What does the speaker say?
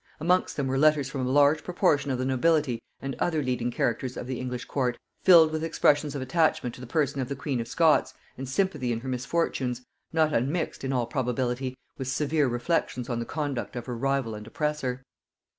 Amongst them were letters from a large proportion of the nobility and other leading characters of the English court, filled with expressions of attachment to the person of the queen of Scots and sympathy in her misfortunes, not unmixed, in all probability, with severe reflections on the conduct of her rival and oppressor.